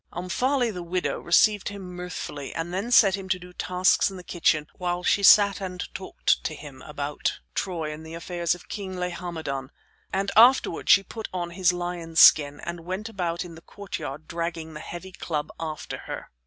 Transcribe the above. Omphale, the widow, received him mirthfully, and then set him to do tasks in the kitchen while she sat and talked to him about Troy and the affairs of King Laomedon. And afterward she put on his lion's skin, and went about in the courtyard dragging the heavy club after her.